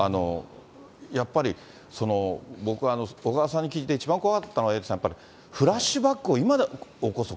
やっぱり僕は小川さんに聞いて一番怖かったのは、エイトさん、やっぱりフラッシュバックを今でも起こす。